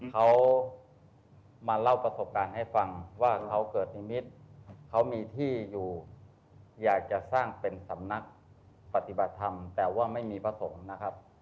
เขามาเล่าประสบการณ์ให้ฟังว่าเขาเกิดนิมิตรเขามีที่อยู่อยากจะสร้างเป็นสำนักปฏิบัติธรรมแต่ว่าไม่มีพระสงฆ์นะครับ